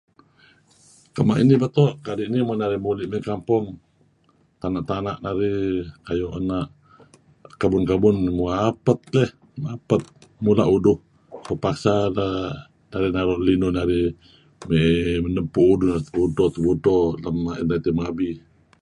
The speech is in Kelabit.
Kema' inih beto' kadi' nih men narih muli' mey kampong, neh tana'-tana' narih kayu' kebun-kebun, mapet leh, mapet mula' uduh. Terpaksa teh narih naru' linuh narih mey nebpu' uduh tebudto-tebudto paad uduh duh mabi.